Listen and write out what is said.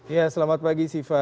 ya selamat pagi siva